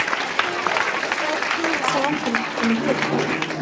Tesɛamt lḥeqq mliḥ.